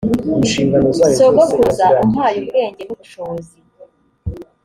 sogokuruza umpaye ubwenge n ubushobozi